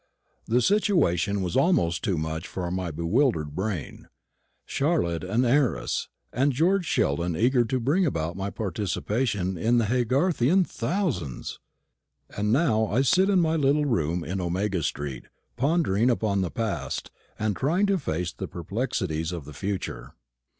The situation was almost too much for my bewildered brain. Charlotte an heiress, and George Sheldon eager to bring about my participation in the Haygarthian thousands! And now I sit in my little room in Omega street, pondering upon the past, and trying to face the perplexities of the future.